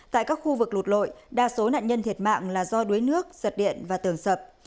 tại các khu vực lụt lội đa số nạn nhân thiệt mạng là do đuối nước giật điện và tường sập